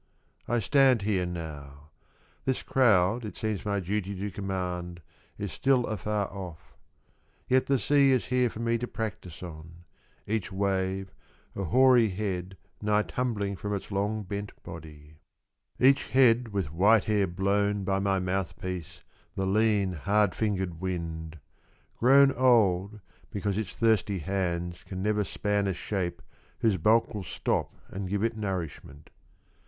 I stand here now : This crowd it seems my duty to command Is still afar off. Yet the sea Is here for me to practice on : Each wave, a hoary head Nigh tumbling from its long bent body ; Each head with white hair blown by my mouthpiece 42 Soliloquy and Speech. The lean, hard fingered wind — Grown old because its thirsty hands Can never span a shape whose bulk Will stop and give it nourishment.